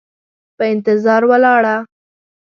په انتظار ولاړه،